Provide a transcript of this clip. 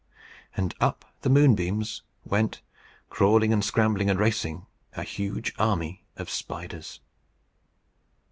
And up the moonbeams went, crawling, and scrambling, and racing, a huge army of huge spiders.